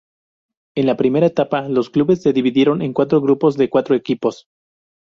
En la primera etapa, los clubes se dividieron en cuatro grupos de cuatro equipos.